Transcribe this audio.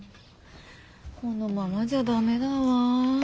このままじゃダメだわ。